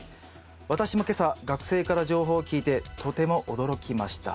「私も今朝学生から情報を聞いてとても驚きました。